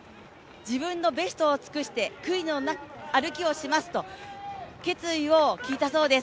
自分のベストを尽くして、悔いのない歩きをしますと決意を聞いたそうです。